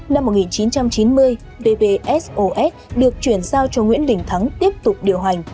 năm một nghìn chín trăm chín mươi bpsos được chuyển giao cho nguyễn đình thắng tiếp tục điều hành